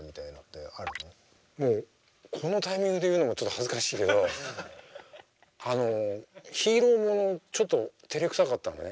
もうこのタイミングで言うのもちょっと恥ずかしいけどあのヒーローものちょっとてれくさかったのね。